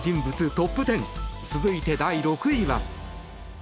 トップ１０続いて第６位は。